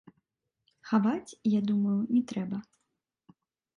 Хаваць, я думаю, не трэба.